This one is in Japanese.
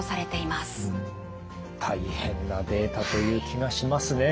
大変なデータという気がしますね。